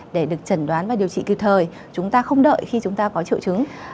để được chẩn đoán và điều trị kịp thời chúng ta không đợi khi chúng ta có triệu chứng